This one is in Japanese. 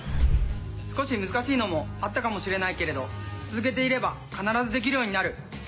少し難しいのもあったかもしれないけれど続けていれば必ずできるようになる。